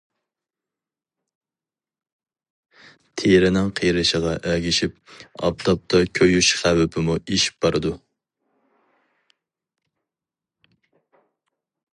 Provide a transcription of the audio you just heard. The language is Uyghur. تېرىنىڭ قېرىشىغا ئەگىشىپ ئاپتاپتا كۆيۈش خەۋپىمۇ ئېشىپ بارىدۇ.